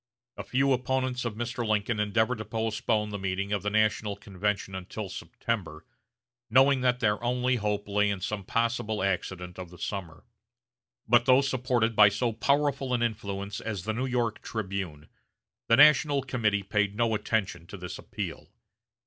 A few opponents of Mr. Lincoln endeavored to postpone the meeting of the national convention until September, knowing that their only hope lay in some possible accident of the summer. But though supported by so powerful an influence as the New York "Tribune," the National Committee paid no attention to this appeal.